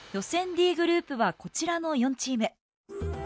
Ｄグループはこちらの４チーム。